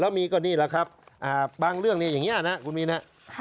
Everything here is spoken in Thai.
แล้วมีก็นี่แหละครับบางเรื่องเนี่ยอย่างนี้นะคุณมีนครับ